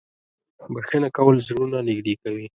• بښنه کول زړونه نږدې کوي.